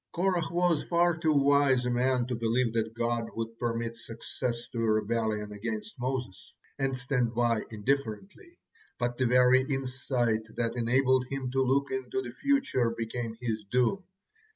Korah was far too wise a man to believe that God would permit success to a rebellion against Moses, and stand by indifferently, but the very insight that enabled him to look into the future became his doom.